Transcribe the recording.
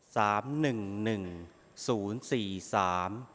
หนึ่งหนึ่งศูนย์สี่สาม